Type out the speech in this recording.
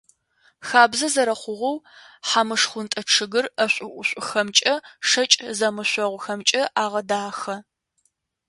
Хабзэ зэрэхъугъэу, хьамышхунтӏэ чъыгыр ӏэшӏу-ӏушӏухэмкӏэ, шэкӏ зэмышъогъухэмкӏэ агъэдахэ.